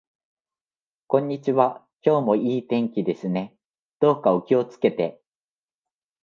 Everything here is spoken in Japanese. こんにちは。今日も良い天気ですね。どうかお気をつけて。